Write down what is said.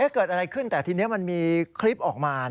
เกิดอะไรขึ้นแต่ทีนี้มันมีคลิปออกมา